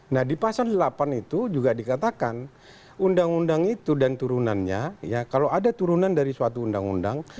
nah di pasal delapan itu juga dikatakan undang undang itu dan turunannya ya kalau ada turunan dari suatu undang undang